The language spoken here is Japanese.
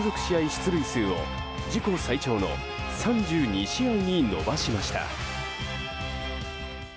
出塁数を自己最長の３２試合に伸ばしました。